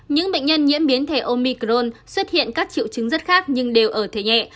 những bệnh nhân nhiễm biến thể omicron xuất hiện các triệu chứng rất khác nhưng đều ở thể nhẹ